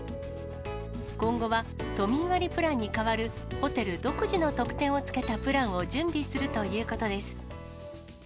今後は都民割プランに代わるホテル独自の特典をつけたプランを準備するということです。